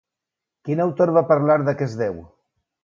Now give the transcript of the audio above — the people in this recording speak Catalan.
Quin autor va parlar d'aquest déu?